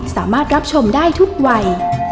สามารถรับชมได้ทุกวัย